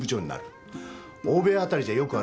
欧米辺りじゃよくある話だ。